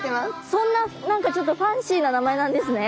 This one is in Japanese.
そんな何かちょっとファンシーな名前なんですね。